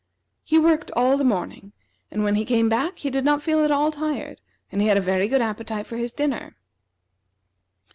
He worked all the morning, and when he came back he did not feel at all tired, and he had a very good appetite for his dinner.